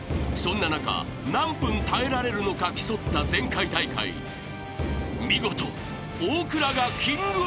［そんな中何分耐えられるのか競った前回大会見事］